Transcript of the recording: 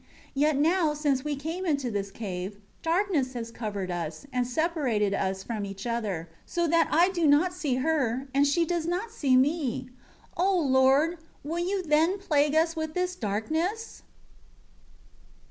Yet now since we came into this cave, darkness has covered us, and separated us from each other, so that I do not see her, and she does not see me. 11 O Lord, will You then plague us with this darkness?"